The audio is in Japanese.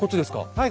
はい。